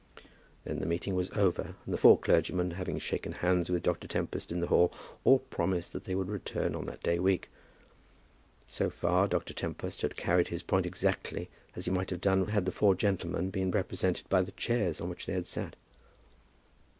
Then the meeting was over, and the four clergymen having shaken hands with Dr. Tempest in the hall, all promised that they would return on that day week. So far, Dr. Tempest had carried his point exactly as he might have done had the four gentlemen been represented by the chairs on which they had sat.